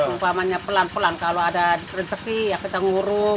umpamanya pelan pelan kalau ada rezeki ya kita nguruk